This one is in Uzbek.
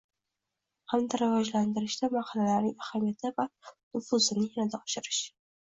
hamda rivojlantirishda mahallalarning ahamiyati va nufuzini yanada oshirish;